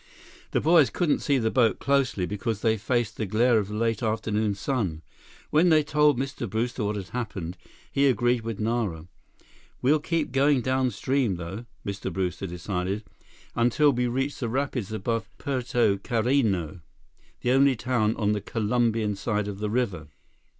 The boys couldn't see the boat closely, because they faced the glare of the late afternoon sun. When they told Mr. Brewster what had happened, he agreed with Nara. "We'll keep going downstream, though," Mr. Brewster decided, "until we reach the rapids above Puerto Carreno, the only town on the Colombian side of the river."